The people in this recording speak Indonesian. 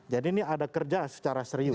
jadi ini ada kerja secara serius